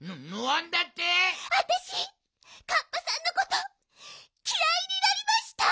わたしカッパさんのこときらいになりました！